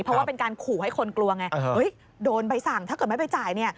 เพราะว่าเป็นการขู่ให้คนกลัวไงโดนใบสั่งถ้าเกิดไม่ไปจ่ายเนี่ย